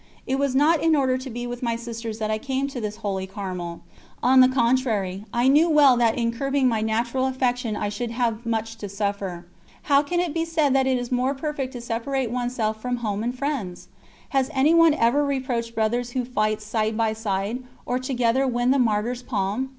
It was not in order to be with my sisters that I came to this holy Carmel; on the contrary, I knew well that in curbing my natural affection I should have much to suffer. How can it be said that it is more perfect to separate oneself from home and friends? Has anyone ever reproached brothers who fight side by side, or together win the martyr's palm?